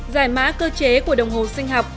giải mã cơ chế của đồng hồ sinh học